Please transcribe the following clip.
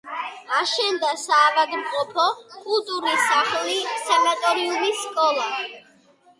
აშენდა საავადმყოფო, კულტურის სახლი, სანატორიუმი, სკოლა.